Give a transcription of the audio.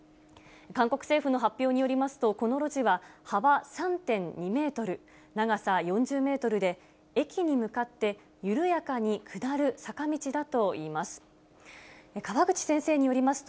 韓国政府の発表によりますと、この路地は、幅３．２メートル、長さ４０メートルで、駅に向かって緩やかに下る坂道だといいます。